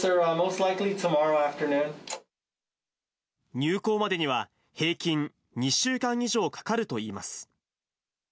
入港までには、平均２週間以上かかるといいます。